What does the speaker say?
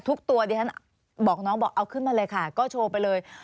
ทุกตัวดิฉันบอกน้องบอกเอาขึ้นมาเลยค่ะก็โชว์ไปเลย